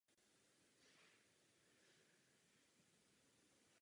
Soud později jeho rozhodnutí označil za správné a inteligentní.